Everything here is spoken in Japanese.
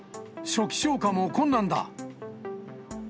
初期消火も困難だ。